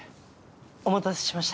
お待たせしました。